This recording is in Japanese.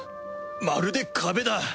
まるで壁だ